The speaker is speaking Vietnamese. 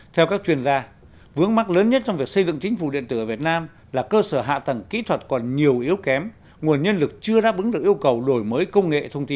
theo các chuyên gia vướng mắt lớn nhất trong việc xây dựng chính phủ điện tử ở việt nam là cơ sở hạ tầng kỹ thuật còn nhiều yếu kém nguồn nhân lực chưa đáp ứng được yêu cầu đổi mới công nghệ thông tin